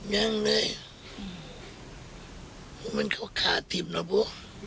ยังเลยมันเขาคาดติ๋มนะบุ๊ก